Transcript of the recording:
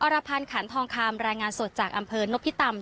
รพันธ์ขันทองคำรายงานสดจากอำเภอนพิตำ